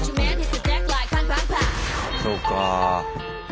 そうか。